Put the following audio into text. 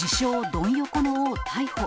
ドン横の王逮捕。